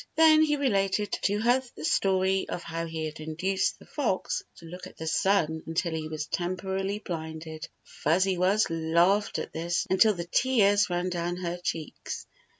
Then he related to her the story of how he had induced the fox to look at the sun until he was temporarily blinded. Fuzzy Wuzz laughed at this until the tears ran down her cheeks.